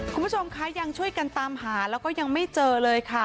คุณผู้ชมคะยังช่วยกันตามหาแล้วก็ยังไม่เจอเลยค่ะ